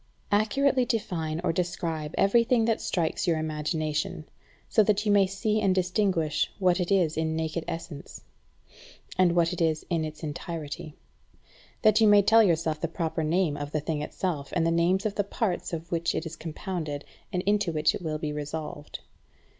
Accurately define or describe every thing that strikes your imagination, so that you may see and distinguish what it is in naked essence, and what it is in its entirety; that you may tell yourself the proper name of the thing itself, and the names of the parts of which it is compounded, and into which it will be resolved.